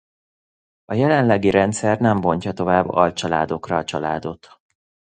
A jelenlegi rendszer nem bontja tovább alcsaládokra a családot.